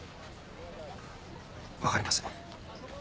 分かりません。